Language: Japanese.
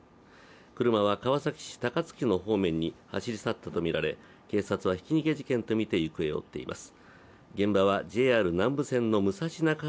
車は川崎市高津区の方面に走り去ったとみられ警察はひき逃げ事件とみて行方を追っています。